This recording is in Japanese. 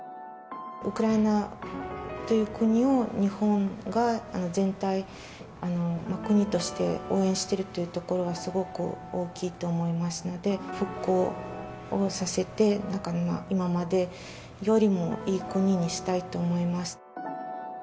ウクライナという国を、日本が全体、国として応援してるっていうところはすごく大きいと思いますので、復興をさせて、今までよりもいい国にしたいと思います。